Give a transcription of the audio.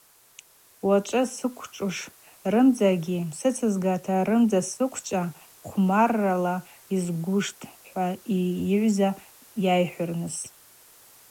Уачӏвы сызквчӏвуш рымдзагьи сыцызгата арымдза сыквчӏва хъвмаррала йызгуштӏ, – хӏва йыгӏвза йайхӏвырныс.